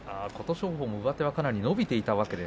琴勝峰も上手をかなり伸びていました。